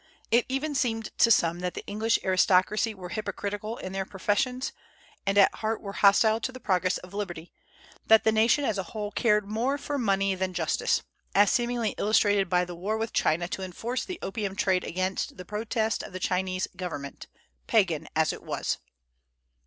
It even seemed to some that the English aristocracy were hypocritical in their professions, and at heart were hostile to the progress of liberty; that the nation as a whole cared more for money than justice, as seemingly illustrated by the war with China to enforce the opium trade against the protest of the Chinese government, pagan as it was.